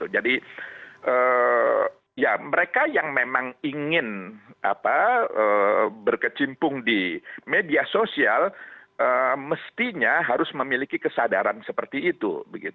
jadi ya mereka yang memang ingin berkecimpung di media sosial mestinya harus memiliki kesadaran seperti itu